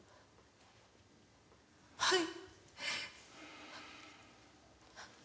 はい。